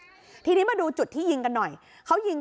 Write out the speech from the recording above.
พอหลังจากเกิดเหตุแล้วเจ้าหน้าที่ต้องไปพยายามเกลี้ยกล่อม